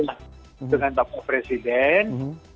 berbicara dengan bapak presiden